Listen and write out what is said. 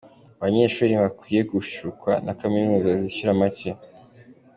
Abanyeshuri ntibakwiye gushukwa na Kaminuza zishyura make.